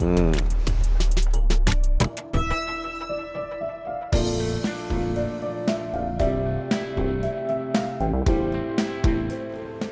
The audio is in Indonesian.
kita mau ke tempat yang lain